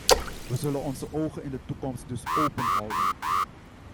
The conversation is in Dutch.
We zullen onze ogen in de toekomst dus openhouden.